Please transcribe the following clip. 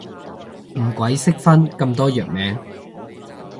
唔鬼識分咁多藥名